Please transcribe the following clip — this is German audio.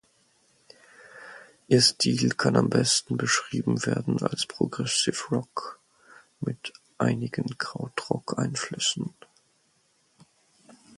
Ihr Stil kann am besten beschrieben werden als Progressive Rock mit einigen Krautrock-Einflüssen.